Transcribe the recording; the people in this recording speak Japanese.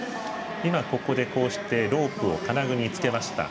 ここで、こうしてロープを金具につけました。